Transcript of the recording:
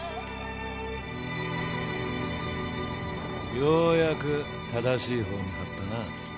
ようやく正しい方に張ったな。